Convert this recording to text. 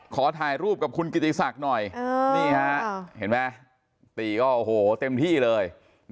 ขอถ่ายรูปกับคุณกิติศักดิ์หน่อยนี่ฮะเห็นไหมตีก็โอ้โหเต็มที่เลย